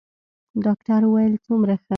ډاکتر وويل څومره ښه.